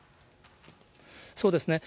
そうですね。